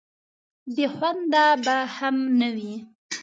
بې خونده به هم نه وي.